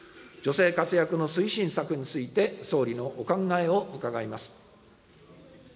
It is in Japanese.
女性活躍の推進策について、総理のお考えを伺います。